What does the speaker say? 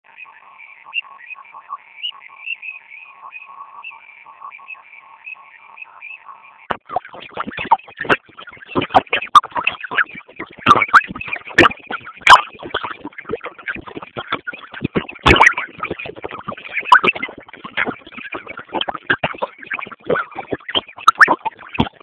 Tumia dakika nnetanokupika